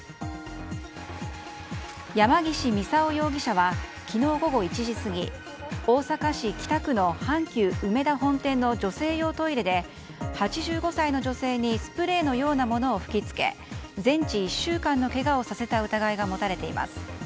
山岸操容疑者は昨日午後１時過ぎ大阪市北区の阪急うめだ本店の女性用トイレで８５歳の女性にスプレーのようなものを吹き付け全治１週間のけがをさせた疑いが持たれています。